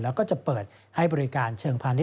แล้วก็จะเปิดให้บริการเชิงพาณิช